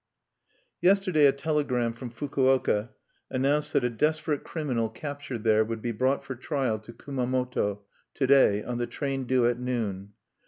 Yesterday a telegram from Fukuoka announced that a desperate criminal captured there would be brought for trial to Kumamoto to day, on the train due at noon.